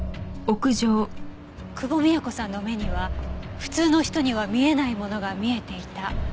久保美也子さんの目には普通の人には見えないものが見えていた。